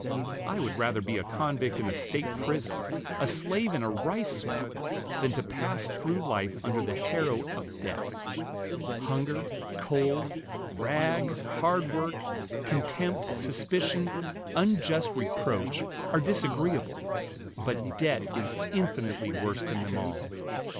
I would rather be a convict in a State prison, a slave in a rice swamp, than to pass through life under the harrow of debt. Hunger, cold, rags, hard work, contempt, suspicion, unjust reproach, are disagreeable, but debt is infinitely worse than them all.